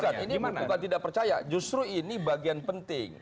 bukan ini bukan tidak percaya justru ini bagian penting